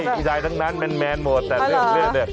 ผู้ชายทักนั้นแม่นหมด